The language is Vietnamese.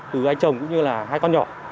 từ anh chồng cũng như là hai con nhỏ